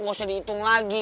gak usah dihitung lagi